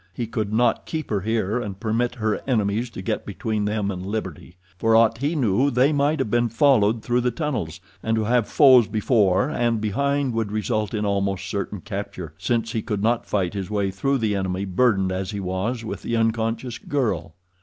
He could not keep her here and permit her enemies to get between them and liberty. For aught he knew they might have been followed through the tunnels, and to have foes before and behind would result in almost certain capture, since he could not fight his way through the enemy burdened as he was with the unconscious girl.